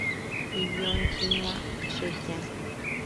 Vivió en Jinhua, Zhejiang.